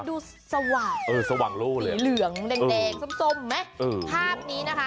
แต่มันดูสว่างสีเหลืองเด็กส้มไหมภาพนี้นะคะ